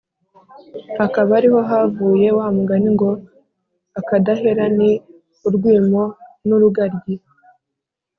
Hakaba ari ho havuye wa mugani ngo « Akadahera ni urwimo n’urugaryi »